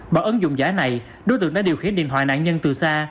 bằng ứng dụng giả này đối tượng đã điều khiển điện thoại nạn nhân từ xa